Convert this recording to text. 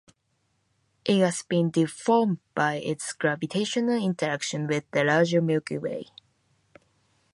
It has been deformed by its gravitational interactions with the larger Milky Way.